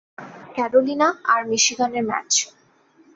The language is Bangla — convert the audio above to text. ক্যারোলিনা আর মিশিগানের ম্যাচ।